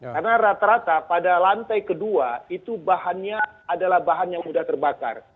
karena rata rata pada lantai kedua itu bahannya adalah bahan yang sudah terbakar